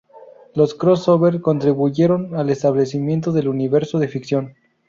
Los crossovers contribuyeron al establecimiento del universo de ficción.